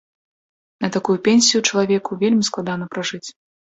На такую пенсію чалавеку вельмі складана пражыць.